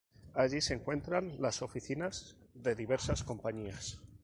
Allí se encuentran las oficinas de diversas compañías.